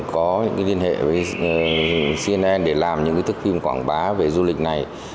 có cái liên hệ với cnn để làm những cái thức phim quảng bá về du lịch này